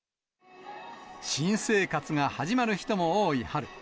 新生活が始まる人も多い春。